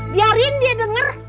biarin dia denger